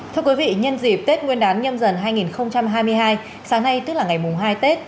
thưa quý vị nhân dịp tết nguyên đán nhâm dần hai nghìn hai mươi hai sáng nay tức là ngày hai tết